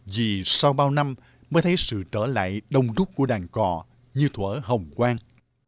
vì sau bao năm mới thấy sự trở lại đông rút của đàn cò như thỏa hồng quang